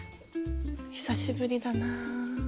久しぶりだなぁ。